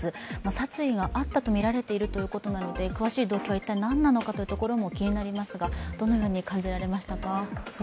殺意があったとみられているということなので、詳しい動機は一体何なのかも気になりますが、どのように感じられましたか？